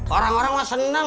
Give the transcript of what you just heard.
orang orang mah seneng